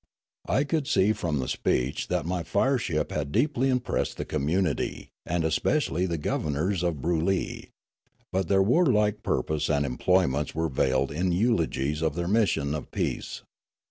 I could see from the speech that my fireship had deeply impressed the community and especially the governors of Broolyi, but their warlike purpose and employments were veiled in eulo gies of their mission of peace.